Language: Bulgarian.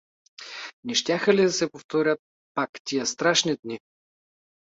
Не щяха ли да се повторят пак тия страшни дни?